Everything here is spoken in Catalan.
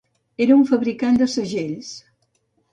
Era un fabricant de segells.